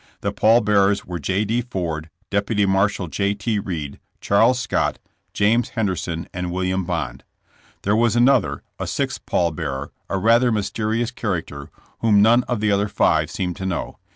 The pall bearers were J. D. Ford, Deputy Marshal J. T. Reed, Charles Scott, James Henderson and William Bond. There was another, a sixth pall OUTLAWED AND HUNTED. 105 bearer, a rather mysterious character, whom none of the other five seemed to know.